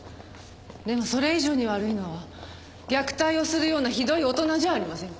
でもそれ以上に悪いのは虐待をするようなひどい大人じゃありませんか？